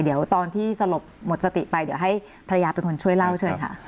เดี๋ยวตอนที่สลบหมดสติไปเดี๋ยวให้ภรรยาเป็นคนช่วยเล่าเชิญค่ะ